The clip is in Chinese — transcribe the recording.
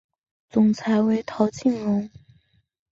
总裁为陶庆荣。